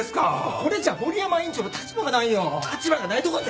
これじゃ森山院長の立場がないよ。